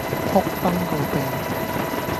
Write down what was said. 仆崩個鼻